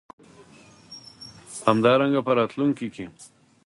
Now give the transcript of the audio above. همدارنګه په راتلونکې کې